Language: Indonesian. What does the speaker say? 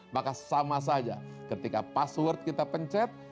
maka sama saja ketika password kita pencet